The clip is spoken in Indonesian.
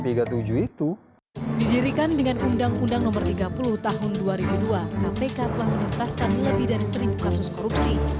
didirikan dengan undang undang no tiga puluh tahun dua ribu dua kpk telah menuntaskan lebih dari seribu kasus korupsi